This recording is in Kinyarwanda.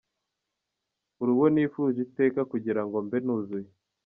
Uri uwo nifuje iteka kugira ngo mbe nuzuye !